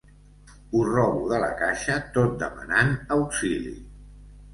Ho robo de la caixa tot demanant auxili.